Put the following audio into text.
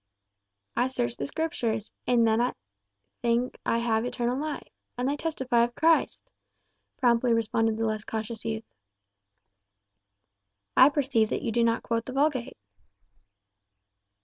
"I search the Scriptures; in them I think I have eternal life. And they testify of Christ," promptly responded the less cautious youth. "I perceive that you do not quote the Vulgate."